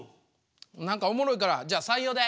なんかおもろいからじゃ採用で。